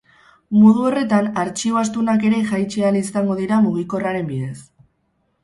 Modu horretan, artxibo astunak ere jaitsi ahal izango dira mugikorraren bidez.